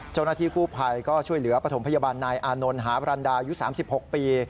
เจ้าหน้าที่กู้ภัยก็ช่วยเหลือปฐมพยาบาลนายอานนท์หาบรันดายุ๓๖ปี